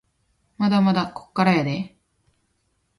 まだまだこっからやでぇ